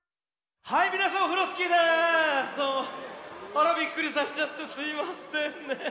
あらびっくりさせちゃってすいませんね。